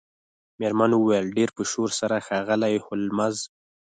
میرمن وویل ډیر په شور سره ښاغلی هولمز